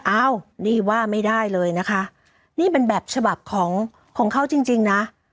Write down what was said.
อ้าวนี่ว่าไม่ได้เลยนะคะนี่เป็นแบบฉบับของของเขาจริงจริงนะ